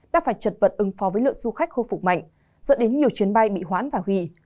đã phải chật vật ứng phó với lượng du khách khôi phục mạnh dẫn đến nhiều chuyến bay bị hoãn và hủy